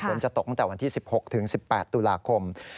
จะตกตั้งแต่วันที่๑๖ถึง๑๘ตุลาคม